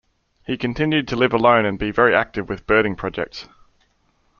He continued to live alone and be very active with birding projects.